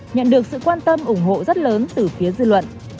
nhận được sự quan tâm ủng hộ rất lớn từ phía dư luận